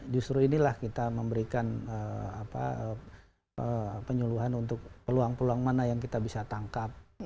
justru inilah kita memberikan penyuluhan untuk peluang peluang mana yang kita bisa tangkap